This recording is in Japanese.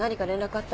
あっ。